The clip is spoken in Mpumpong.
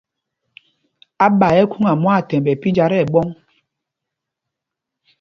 Áɓa ɛ́ ɛ́ khúŋa mwâthɛmb ɛ pínjá tí ɛɓɔ̄ŋ.